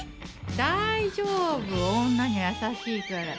大丈夫女には優しいから。